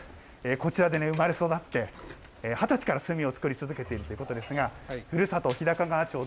こちらでね、生まれ育って、２０歳から炭を作り続けているということなんですが、ふるさと、